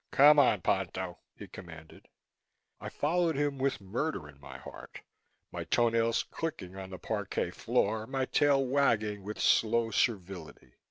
"Come on, Ponto," he commanded. I followed him with murder in my heart, my toe nails clicking on the parquet floor, my tail wagging with slow servility.